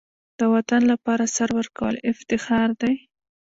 د وطن لپاره سر ورکول افتخار دی.